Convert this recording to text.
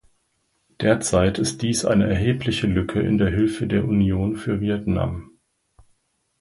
Derzeit ist dies eine erhebliche Lücke in der Hilfe der Union für Vietnam.